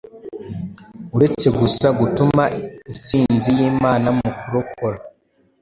uretse gusa gutuma insinzi y’Imana mu kurokora